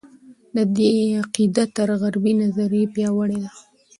د دې عقیده تر غربي نظریې پیاوړې وه.